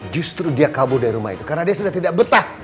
justru dia kabur dari rumah itu karena dia sudah tidak betah